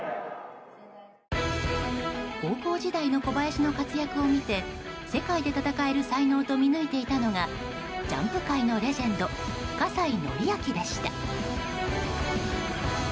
高校時代の小林の活躍を見て世界で戦える才能と見抜いていたのがジャンプ界のレジェンド葛西紀明でした。